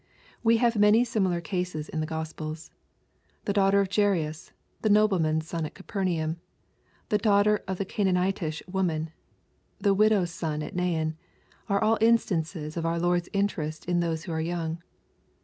We have many similar cases in the Gospels. The daughter of Jairus, the nobleman's son at Capernaum, the daughter of the Canaanitish woman, the widow's son at Nain, are all instances of our Lord's interest in those who are young.